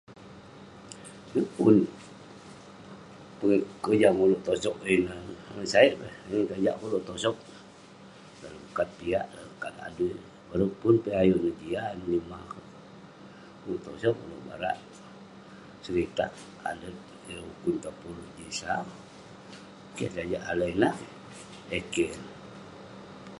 yeng pun kojam ulouk tosog eh ineh, nasayik peh..yeng tajag keh ulouk tosog dalem kat piak, dalem kat adui..bareng pun peh ayuk neh jiak eh menimah kerk..ulouk tosog, ulouk barak seritak, adet ireh ukun topun ulouk jin sau..keh, sajak alai nah..eh keh neh..